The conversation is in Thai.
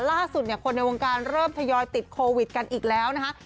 ล่าสุดเนี่ยคนในวงการเริ่มทยอยติดโควิดกันอีกแล้วนะคะ